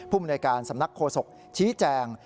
ภูมิในการสำนักโฆษกชี้แจง